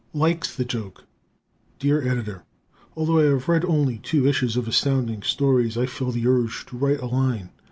Likes the "Joke" Dear Editor: Although I have read only two issues of Astounding Stories, I feel the urge to write a line.